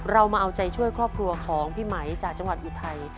เรามาเอาใจช่วยครอบครัวของพี่ไหมจากจังหวัดอุทัย